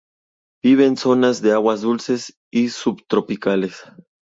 Vive en zonas de aguas dulces y subtropicales.